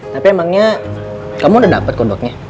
tapi emangnya kamu udah dapet kondoknya